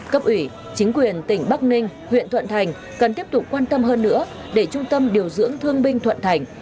cấp ủy chính quyền tỉnh bắc ninh huyện thuận thành cần tiếp tục quan tâm hơn nữa để trung tâm điều dưỡng thương binh thuận thành